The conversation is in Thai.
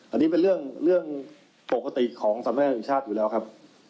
อันนี้เป็นเรื่องปกติของสำนักงานแห่งชาติอยู่แล้วครับ